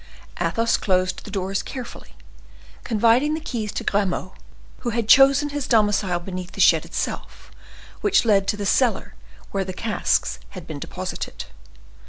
Athos closed the doors carefully, confiding the keys to Grimaud, who had chosen his domicile beneath the shed itself, which led to the cellar where the casks had been deposited.